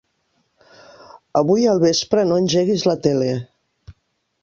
Avui al vespre no engeguis la tele.